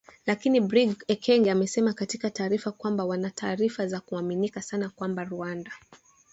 Lakini Brig Ekenge amesema katika taarifa kwamba wana taarifa za kuaminika sana kwamba Rwanda